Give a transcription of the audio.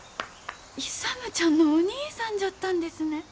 勇ちゃんのお兄さんじゃったんですね。